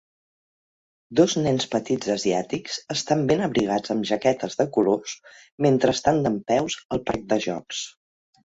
Dos nens petits asiàtics estan ben abrigats amb jaquetes de colors mentre estan dempeus al parc de jocs